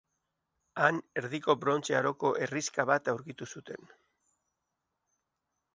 Han, Erdiko Brontze Aroko herrixka bat aurkitu zuten.